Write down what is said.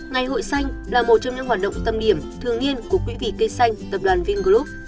ngày hội xanh là một trong những hoạt động tâm điểm thường niên của quỹ vì cây xanh tập đoàn vingroup